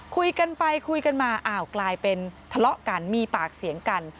คุยกันไปคุยกันมาอ้าวกลายเป็นทะเลาะกันมีปากเสียงกัน